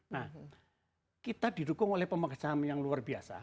nah kita didukung oleh pemega saham yang luar biasa